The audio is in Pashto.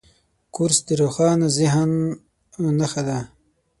کورس د روښانه ذهن نښه ده.